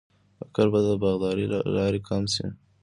فقر به د باغدارۍ له لارې کم شي.